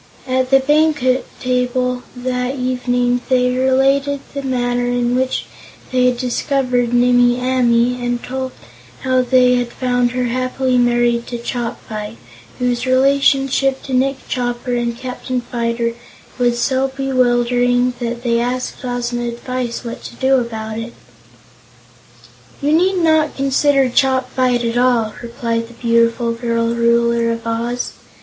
At the banquet table that evening they related the manner in which they had discovered Nimmie Amee, and told how they had found her happily married to Chopfyt, whose relationship to Nick Chopper and Captain Fyter was so bewildering that they asked Ozma's advice what to do about it. "You need not consider Chopfyt at all," replied the beautiful girl Ruler of Oz.